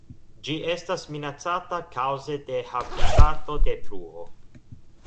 Ĝi estas minacata kaŭze de habitatodetruo.